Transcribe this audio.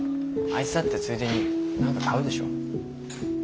あいつだってついでに何か買うでしょ。